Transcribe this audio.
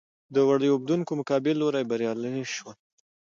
د وړۍ اوبدونکو مقابل لوری بریالي شول.